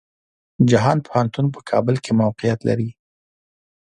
جهان پوهنتون په کابل کې موقيعت لري.